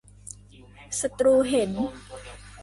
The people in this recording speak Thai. ศัตรูเห็น !